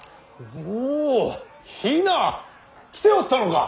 おお比奈！来ておったのか。